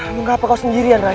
mengapa kau sendirian rai